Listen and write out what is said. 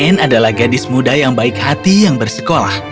anne adalah gadis muda yang baik hati yang bersekolah